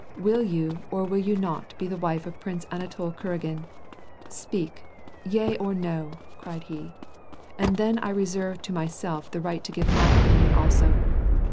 Will yoM or will you not be the wife of Prince Anatol Kuragin ? Speak : yea or no," cried he. " And then I reserve to myself the right of giving my opinion also.